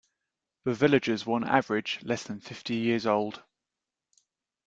The villagers were on average less than fifty years old.